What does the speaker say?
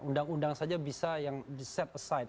undang undang saja bisa yang diset aside